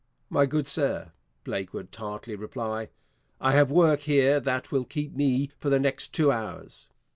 'My good sir,' Blake would tartly reply, 'I have work here that will keep me for the next two hours.'